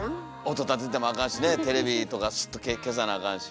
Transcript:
音立ててもあかんしねテレビとかスッと消さなあかんし。